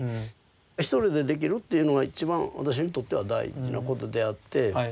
１人でできるっていうのがいちばん私にとっては大事なことであって。